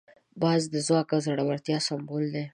باز د ځواک او زړورتیا سمبول دی